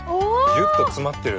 ギュッと詰まってる！